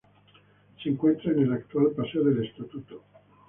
Se encuentra en el actual paseo del Estatuto.